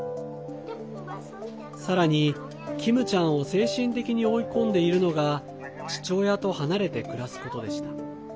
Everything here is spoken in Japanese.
さらにキムちゃんを精神的に追い込んでいるのが父親と離れて暮らすことでした。